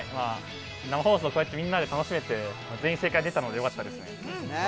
生放送、こうやってみんなで楽しめて全員正解出たので、よかったですね。